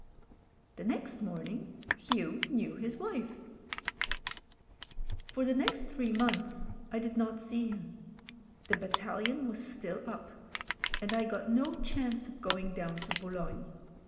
... The next morning Hugh knew his wife. ••.•• For the next three months I did not see him. The battalion was still up, and I got no chance of going down to Boulogne.